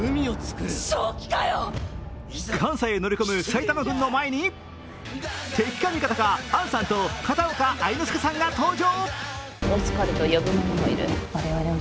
関西へ乗り込む埼玉軍の前に敵か味方か、杏さんと片岡愛之助さんが登場。